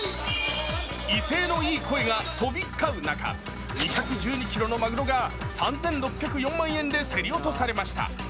威勢のいい声が飛び交う中、２１２ｋｇのまぐろが３６０４万円で競り落とされました。